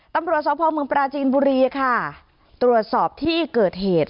ตำรวจสพเมืองปราจีนบุรีค่ะตรวจสอบที่เกิดเหตุ